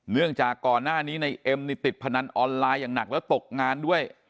เนื่องจากก่อนหน้านี้ในเอ็มนี่ติดพนันออนไลน์อย่างหนักแล้วตกงานด้วย